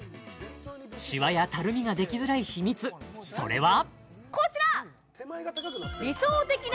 シワやたるみができづらい秘密それはこちら！